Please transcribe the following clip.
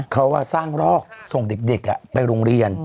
เขาสร้างรอกส่งเด็กไปโรงเรียน